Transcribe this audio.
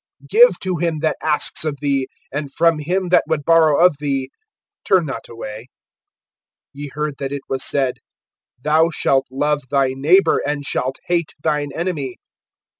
(42)Give to him that asks of thee, and from him that would borrow of thee turn not away. (43)Ye heard that it was said: Thou shalt love thy neighbor, and shalt hate thine enemy.